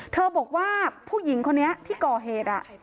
บอกว่าผู้หญิงคนนี้ที่ก่อเหตุ